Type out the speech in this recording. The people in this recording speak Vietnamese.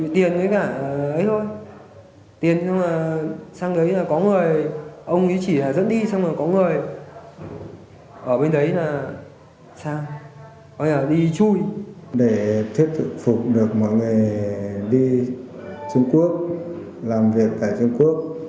thực phục được mọi người đi trung quốc làm việc tại trung quốc